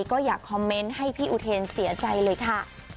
ก็อยากคอมเมนต์ให้พี่อุเทนเสียใจเลยค่ะ